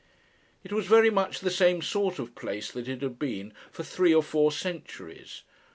It was very much the same sort of place that it had been for three or four centuries.